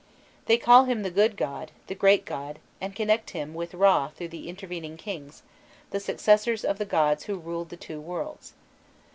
They call him "the good god," "the great god," and connect him with Râ through the intervening kings, the successors of the gods who ruled the two worlds.